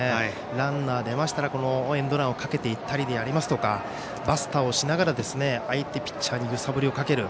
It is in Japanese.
ランナー、出ましたらエンドランをかけていったりバスターをしながら相手ピッチャーに揺さぶりをかける。